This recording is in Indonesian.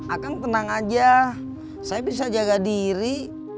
akang tenang aja saya bisa jaga diri